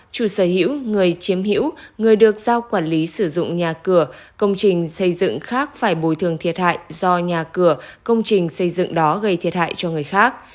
chủ sở hữu người chiếm hữu người được giao quản lý sử dụng nhà cửa công trình xây dựng khác phải bồi thường thiệt hại do nhà cửa công trình xây dựng đó gây thiệt hại cho người khác